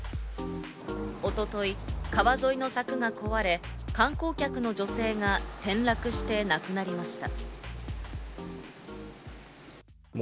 一昨日、川沿いの柵が壊れ、観光客の女性が転落して亡くなりました。